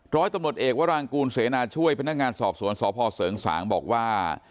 ร้อยตำรวจเอกวรางกูลเสนาช่วยพนักงานสอบสวนสพเสริงสางบอกว่า